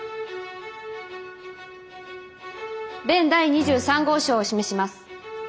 弁第２３号証を示します。